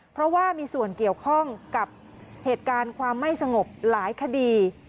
เพราะว่ามีส่วนเกี่ยวข้องกับเหตุการณ์ความไม่สงบหลายคดี